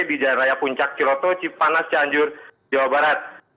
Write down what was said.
di jalan raya puncak ciroto cipanas cianjur jawa barat